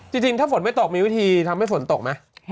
จริงถ้าฝนไม่ตกมีวิธีทำให้ฝนตกไหม